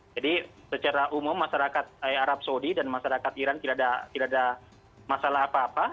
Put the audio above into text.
jadi secara umum masyarakat arab saudi dan masyarakat iran tidak ada masalah apa apa